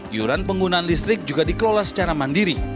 iuran penggunaan listrik juga dikelola secara mandiri